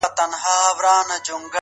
o په گيلاس او په ساغر دي اموخته کړم ـ